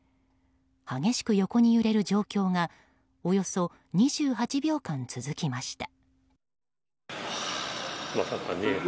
激しく横に揺れる状況がおよそ２８秒間、続きました。